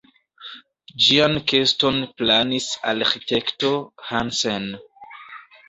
Ĝian keston planis arĥitekto Hansen.